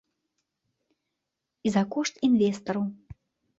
І за кошт інвестараў.